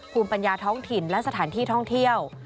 ภูมิปัญญาท้องถิ่นและสถานที่ท่องเที่ยว